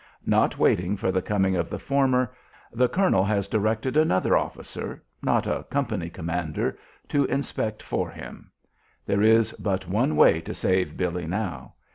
Not waiting for the coming of the former, the colonel has directed another officer not a company commander to inspect for him. There is but one way to save Billy now.